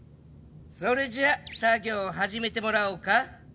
それじゃ作業を始めてもらおうか。